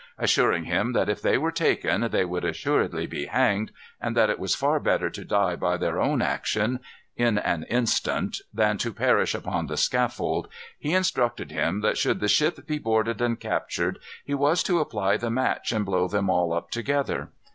Assuring him that if they were taken they would assuredly be hanged, and that it was far better to die by their own action, in an instant, than to perish upon the scaffold, he instructed him that should the ship be boarded and captured, he was to apply the match and blow them all up together.